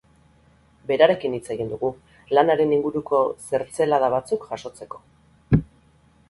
Berarekin hitz egin dugu, lanaren inguruko zertzelada batzuk jasotzeko.